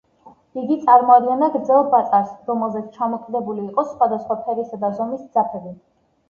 იგი წარმოადგენდა გრძელ ბაწარს, რომელზეც ჩამოკიდებული იყო სხვადასხვა ფერისა და ზომის ძაფები.